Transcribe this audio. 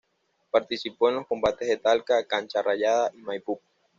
Participó en los combates de Talca, Cancha Rayada y Maipú.